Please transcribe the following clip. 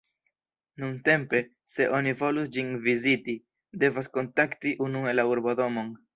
Nuntempe, se oni volus ĝin viziti, devas kontakti unue la urbo-domon.